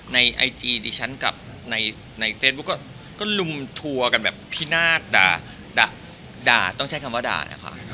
ไอจีดิฉันกับในเฟซบุ๊กก็ลุมทัวร์กันแบบพินาศด่าต้องใช้คำว่าด่านะคะ